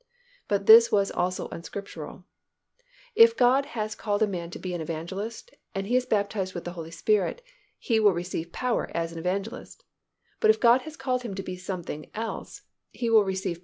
But this was also unscriptural. If God has called a man to be an evangelist and he is baptized with the Holy Spirit, he will receive power as an evangelist, but if God has called him to be something else, he will receive power to become something else.